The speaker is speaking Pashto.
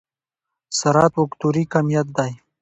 سرعت وکتوري کميت دی.